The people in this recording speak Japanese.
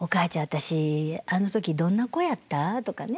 私あの時どんな子やった？」とかね。